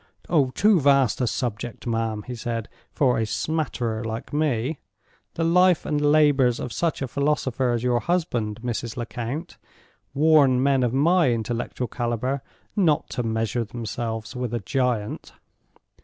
"Too vast a subject, ma'am," he said, "for a smatterer like me. The life and labors of such a philosopher as your husband, Mrs. Lecount, warn men of my intellectual caliber not to measure themselves with a giant.